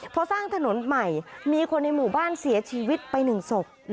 พอสร้างถนนใหม่มีคนในหมู่บ้านเสียชีวิตไป๑ศพ